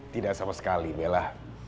tidak sama sekali bella